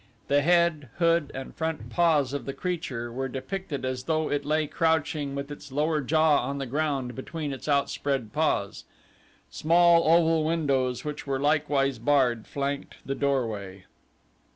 The head, hood, and front paws of the creature were depicted as though it lay crouching with its lower jaw on the ground between its outspread paws. Small oval windows, which were likewise barred, flanked the doorway.